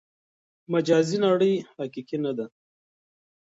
مجازي نړۍ حقیقي نه ده.